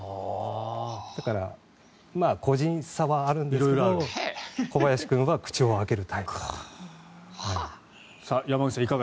だから個人差はあるんですけど小林君は口を開けるタイプだと。